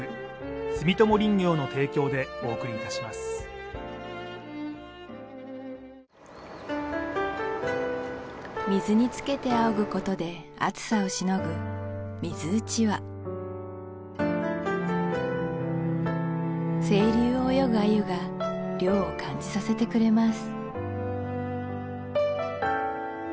ニトリ水につけてあおぐことで暑さをしのぐ水うちわ清流を泳ぐあゆが涼を感じさせてくれます